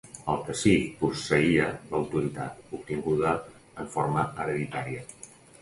El cacic posseïa l'autoritat, obtinguda en forma hereditària.